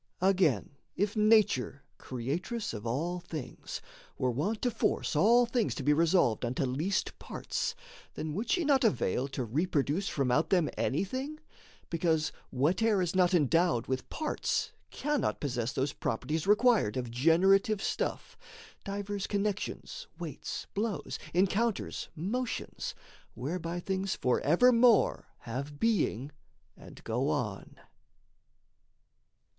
Again, if Nature, creatress of all things, Were wont to force all things to be resolved Unto least parts, then would she not avail To reproduce from out them anything; Because whate'er is not endowed with parts Cannot possess those properties required Of generative stuff divers connections, Weights, blows, encounters, motions, whereby things Forevermore have being and go on.